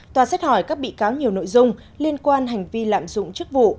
tòa xét hỏi các bị cáo nhiều nội dung liên quan hành vi lạm dụng chức vụ